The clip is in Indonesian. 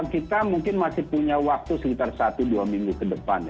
kita mungkin masih punya waktu sekitar satu dua minggu ke depan